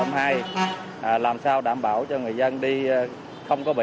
để làm sao đảm bảo cho người dân đi không có bệnh